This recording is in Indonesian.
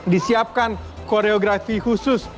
disiapkan koreografi khusus